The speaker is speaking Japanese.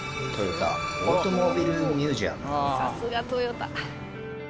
さすがトヨタ。